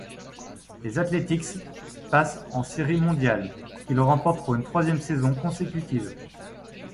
Les Athletics passent en Série mondiale, qu'ils remportent pour une troisième saison consécutive.